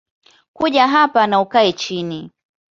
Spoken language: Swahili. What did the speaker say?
Kuja hapa na ukae chini